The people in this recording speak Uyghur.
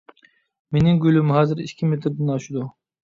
مېنىڭ گۈلۈم ھازىر ئىككى مېتىردىن ئاشىدۇ.